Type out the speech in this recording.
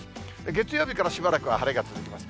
月曜日からしばらくは晴れが続きます。